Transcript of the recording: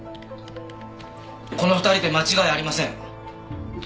この２人で間違いありません。